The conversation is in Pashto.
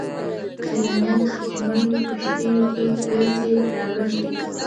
سيلانيان په کوچنيو کښتيو کې ګرځي را ګرځي.